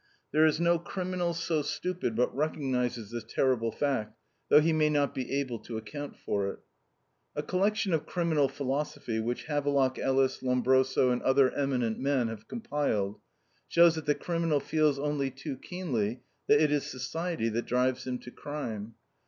There is no criminal so stupid but recognizes this terrible fact, though he may not be able to account for it. A collection of criminal philosophy, which Havelock Ellis, Lombroso, and other eminent men have compiled, shows that the criminal feels only too keenly that it is society that drives him to crime.